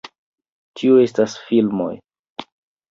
Tio estas filmoj